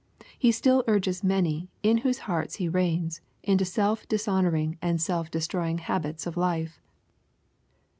He still urges many, in whose hearts he reigns, into self dishonoring and self destroying habits of life.